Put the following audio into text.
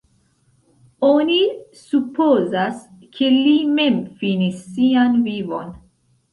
Oni supozas, ke li mem finis sian vivon.